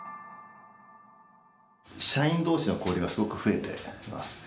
社員同士の交流がすごく増えてます。